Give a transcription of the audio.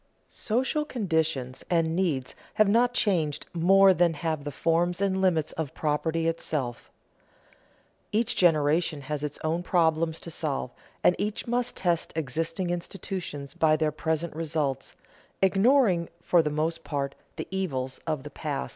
Social conditions and needs have not changed more than have the forms and limits of property itself. Each generation has its own problems to solve, and each must test existing institutions by their present results, ignoring for the most part the evils of the past.